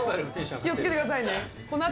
気をつけてくださいね。